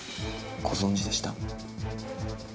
ご存じでした？